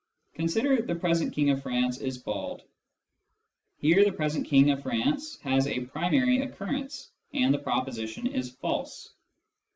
Consider " the present King of France is bald." Here " the present King of France " has a primary occurrence, and the proposition is false.